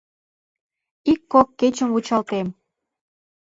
Ик-кок кечым вучалтем.